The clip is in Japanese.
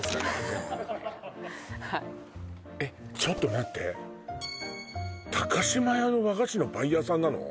ホントにはいえっちょっと待って島屋の和菓子のバイヤーさんなの？